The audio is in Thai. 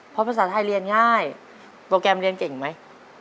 เพราะภาษาไทยเรียนง่ายโปรแกรมเรียนเก่งไหม